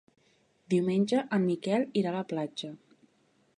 Diumenge en Miquel irà a la platja.